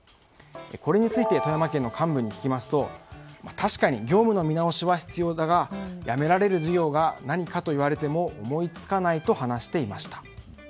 これについて富山県の幹部に聞きますと確かに業務の見直しは必要だがやめられる事業が何かと言われても思いつかないと話していました。